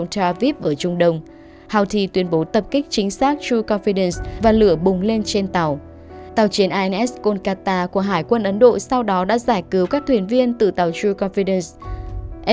tàu chiến ins kolkata của hải quân ấn độ sau đó đã giải cứu các thuyền viên từ tàu true confidence